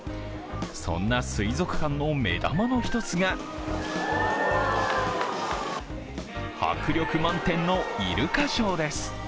そんな水族館の目玉の一つが迫力満点のイルカショーです。